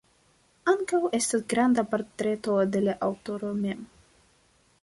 Ankaŭ estas granda portreto de la aŭtoro mem.